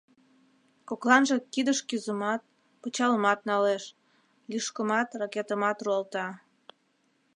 Кокланже кидыш кӱзымат, пычалымат налеш, лӱшкымат, ракетымат руалта.